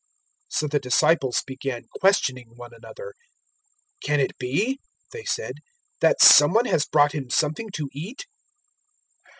004:033 So the disciples began questioning one another. "Can it be," they said, "that some one has brought Him something to eat?"